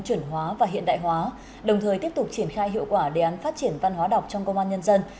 chuẩn hóa và hiện đại hóa đồng thời tiếp tục triển khai hiệu quả đề án phát triển văn hóa đọc trong công an nhân dân